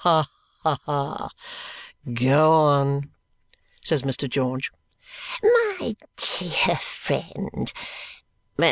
"Ha ha! Go on!" says Mr. George. "My dear friend!